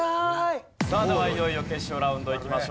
さあではいよいよ決勝ラウンドいきましょう。